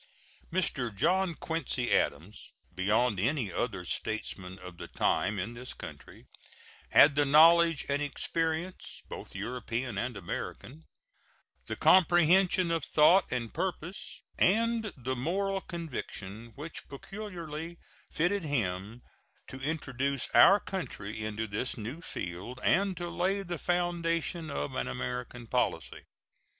Mr. John Quincy Adams, beyond any other statesman of the time in this country, had the knowledge and experience, both European and American, the comprehension of thought and purpose, and the moral convictions which peculiarly fitted him to introduce our country into this new field and to lay the foundation of an American policy.